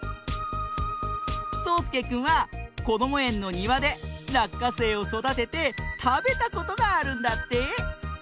そうすけくんはこどもえんのにわでらっかせいをそだててたべたことがあるんだって。